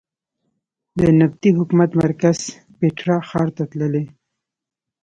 د نبطي حکومت مرکز پېټرا ښار ته تللې.